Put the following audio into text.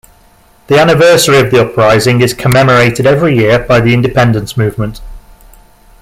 The anniversary of the uprising is commemorated every year by the independence movement.